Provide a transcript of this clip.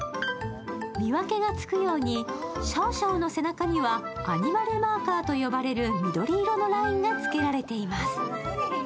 見分けがつくようにシャオシャオの背中には、アニマルマーカーと呼ばれる緑色のラインがつけられています。